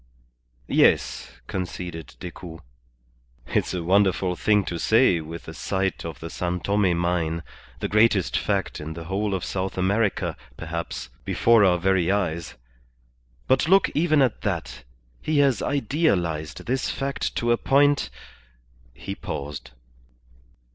"Yes," conceded Decoud, "it's a wonderful thing to say with the sight of the San Tome mine, the greatest fact in the whole of South America, perhaps, before our very eyes. But look even at that, he has idealized this fact to a point " He paused.